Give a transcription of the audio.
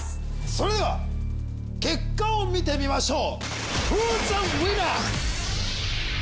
それでは結果を見てみましょう。